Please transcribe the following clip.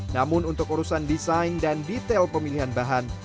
namun untuk urusan desain dan detail pemilihan bahan